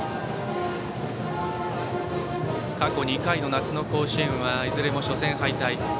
過去２回の夏の甲子園はいずれも初戦敗退。